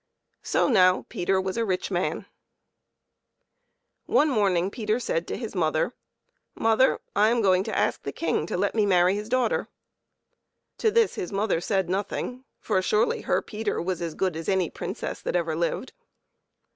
So now Peter was a rich man. PEPPER AND SALT. One morning Peter said to his mother, " Mother, I am going to ask the King to let me marry his daughter." To this his mother said nothing, for surely her Peter was as good as any princess that ever lived.